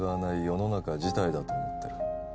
世の中自体だと思ってる